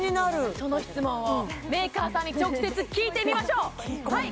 その質問をメーカーさんに直接聞いてみましょうはい